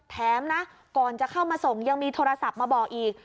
แถมนะก่อนจะเข้ามาส่งยังมีโทรศัพท์มาบอกอีก